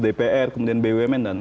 dumn dan lain lain